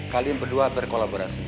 kalian berdua berkolaborasi